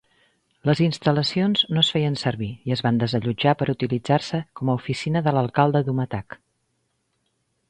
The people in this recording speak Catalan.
Les instal·lacions no es feien servir i es van desallotjar per utilitzar-se com a oficina de l'alcalde d'Umatac.